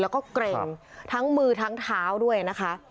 แล้วก็เกร็งทั้งมือทั้งเท้าด้วยนะคะ